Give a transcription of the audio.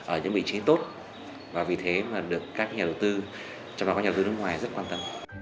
ở những vị trí tốt và vì thế mà được các nhà đầu tư trong đó có nhà đầu tư nước ngoài rất quan tâm